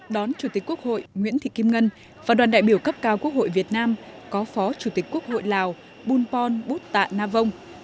đón chủ tịch quốc hội nguyễn thị kim ngân và đoàn đại biểu cấp cao quốc hội việt nam có phó chủ tịch quốc hội lào bunpon butta navong